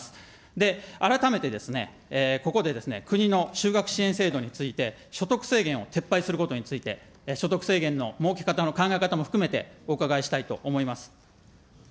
で、改めてですね、ここで、国の就学支援制度について所得制限を撤廃することについて、所得制限の設け方の考え方も含めてお伺いしたいと思います。